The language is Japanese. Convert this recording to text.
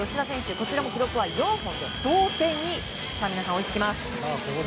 こちらも記録は４本で同点に追いつきます。